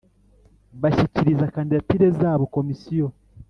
bashyikiriza kandidatire zabo Komisiyo